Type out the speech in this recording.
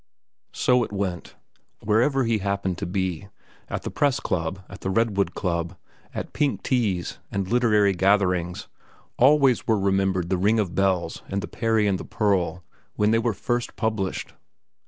So it went. Wherever he happened to be—at the Press Club, at the Redwood Club, at pink teas and literary gatherings—always were remembered "The Ring of Bells" and "The Peri and the Pearl" when they were first published.